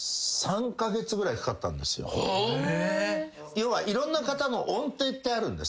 要はいろんな方の音程ってあるんです